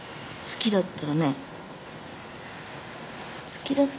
好きだったらね。